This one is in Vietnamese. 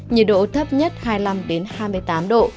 nhiệt độ thấp nhất hai mươi năm hai mươi tám độ